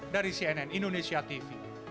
dari cnn indonesia tv